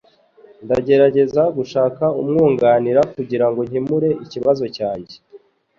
Ndagerageza gushaka umwunganira kugirango nkemure ikibazo cyanjye